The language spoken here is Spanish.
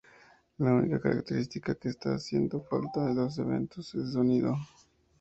La única característica que está haciendo falta es los eventos de sonido.